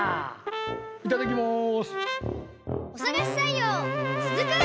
いただきます！